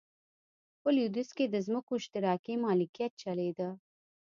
په لوېدیځ کې د ځمکو اشتراکي مالکیت چلېده.